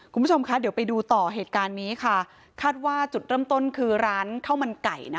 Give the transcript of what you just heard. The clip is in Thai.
คุณผู้ชมคะเดี๋ยวไปดูต่อเหตุการณ์นี้ค่ะคาดว่าจุดเริ่มต้นคือร้านข้าวมันไก่นะคะ